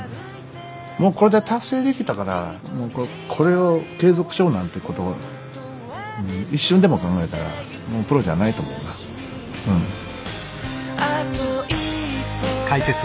もうこれで達成できたからこれを継続しようなんてことを一瞬でも考えたらもうプロじゃないと思うなうん。